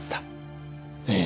ええ。